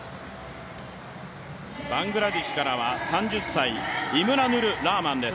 バングラデシュからは３０歳、イムラヌル・ラーマンです。